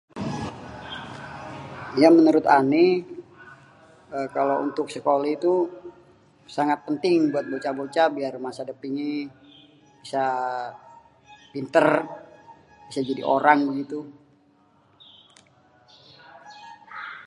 Ya menurut ané kalo untuk sekoléh itu sangat penting buat bocah-bocah biar masa depannyé, bisa pintér, bisa jadi orang bégitu.